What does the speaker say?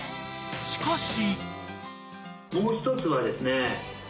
［しかし］